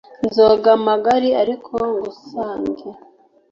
nzoga magari ariko ngusange